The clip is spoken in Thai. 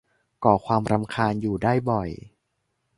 ก่อความรำคาญอยู่ได้บ่อย